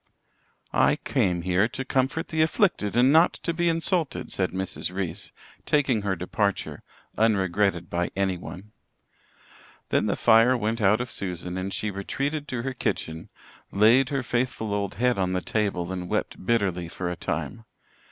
"I came here to comfort the afflicted and not to be insulted," said Mrs. Reese, taking her departure, unregretted by anyone. Then the fire went out of Susan and she retreated to her kitchen, laid her faithful old head on the table and wept bitterly for a time.